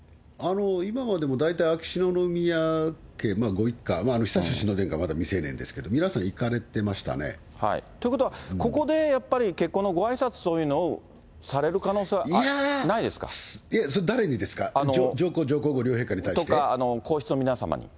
今はでも、大体、秋篠宮家ご一家、悠仁親王殿下はまだ未成年ですけど、皆さん、行かれてましたね。ということは、ここでやっぱり結婚のごあいさつというのをされる可能性はないで誰にですか？とか、皇室の皆様に。